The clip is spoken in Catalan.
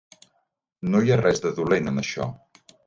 No hi ha res de dolent en això.